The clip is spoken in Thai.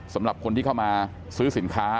สำหรับคนที่เข้ามาซื้อสินค้า